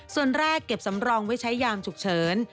ส่วนแรกเก็บสำรองไว้ใช้ยามฉุกเฉิน